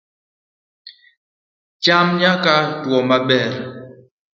cham nyaka tuwo maber